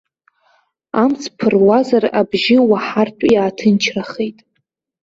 Амҵ ԥыруазар абжьы уаҳартә иааҭынчрахеит.